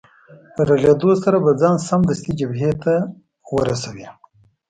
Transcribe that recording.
له رغېدو سره به ځان سمدستي جبهې ته ورسوې.